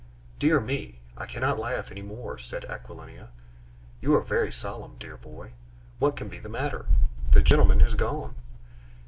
"Dear me! I cannot laugh any more!..." said Aquilina. "You are very solemn, dear boy; what can be the matter? The gentleman has gone."